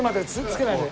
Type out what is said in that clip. つけないで。